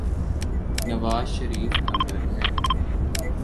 نوازشریف اندر ہیں۔